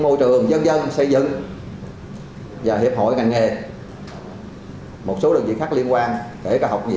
môi trường dân dân xây dựng